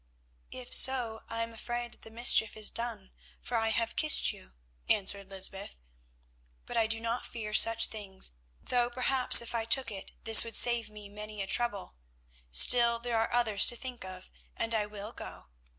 "If so, I am afraid that the mischief is done, for I have kissed you," answered Lysbeth. "But I do not fear such things, though perhaps if I took it, this would save me many a trouble. Still, there are others to think of, and I will go."